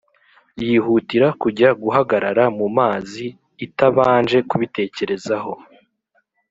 yihutira kujya guhagarara mu mazi itabanje kubitekerezaho